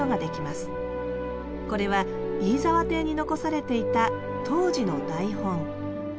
これは飯沢邸に残されていた当時の台本。